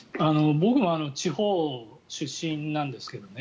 僕も地方出身なんですけどね